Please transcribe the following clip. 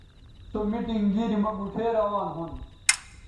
سو میٹنگ گیری مہ گوٹھے روان ھُون